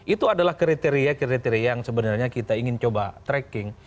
itu adalah kriteria kriteria yang sebenarnya kita ingin coba tracking